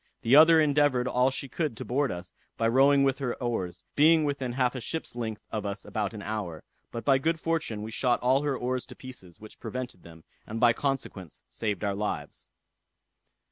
The other endeavored all she could to board us, by rowing with her oars, being within half a ship's length of us above an hour; but by good fortune we shot all her oars to pieces, which prevented them, and by consequence saved our lives.